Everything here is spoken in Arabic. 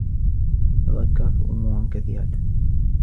تذكّرت أمورا كثيرة.